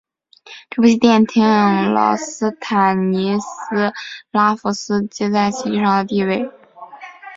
这部戏奠定了斯坦尼斯拉夫斯基在戏剧上的地位。